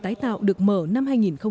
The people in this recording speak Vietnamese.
tái tạo được mở năm hai nghìn một mươi năm